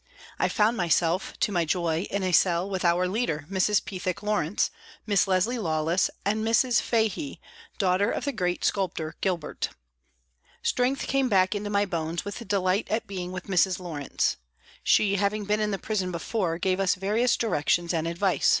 I found myself, to my joy, in a cell with our leader, Mrs. Pethick Lawrence, Miss Leslie Lawless and Mrs. Fahey, daughter of the great sculptor Gilbert. Strength came back into my bones with delight at being with Mrs. Lawrence. She having been in the prison before gave us various directions and advice.